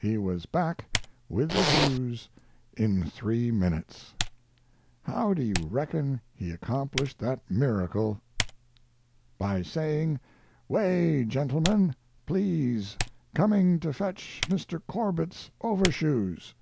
He was back with the shoes in 3 minutes! How do you reckon he accomplished that miracle? By saying: "Way, gentlemen, please coming to fetch Mr. Corbett's overshoes."